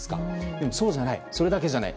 でも、そうじゃないそれだけじゃない。